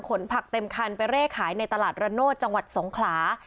ผักเต็มคันไปเร่ขายในตลาดระโนธจังหวัดสงขลา